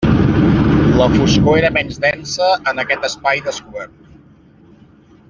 La foscor era menys densa en aquest espai descobert.